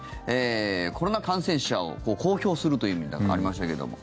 コロナ感染者を公表するというのがありましたけど。